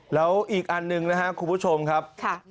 แล้วอีกอันหนึ่งนะครับคุณผู้ชมครับ